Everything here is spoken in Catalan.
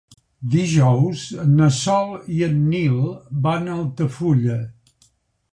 Dijous na Sol i en Nil van a Altafulla.